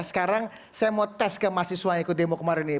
sekarang saya mau tes ke mahasiswa yang ikut demo kemarin ini